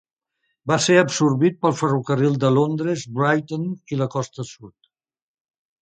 Va ser absorbit pel ferrocarril de Londres, Brighton i la Costa Sud.